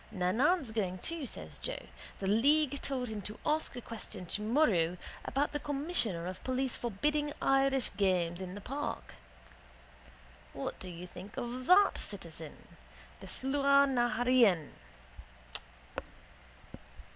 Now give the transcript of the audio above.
—Nannan's going too, says Joe. The league told him to ask a question tomorrow about the commissioner of police forbidding Irish games in the park. What do you think of that, citizen? The Sluagh na h Eireann.